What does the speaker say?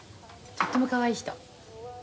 とってもかわいい人。